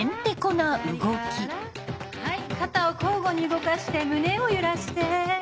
はい肩を交互に動かして胸を揺らして。